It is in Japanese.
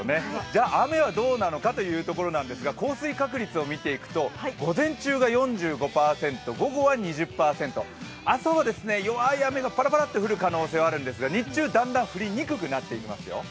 じゃ雨はどうなのかというところなんですが降水確率を見ていくと午前中が４５％、午後は２０％、朝は、弱い雨がパラパラ降る可能性はあるんですが、日中、だんだん降りにくくなっていきますよ。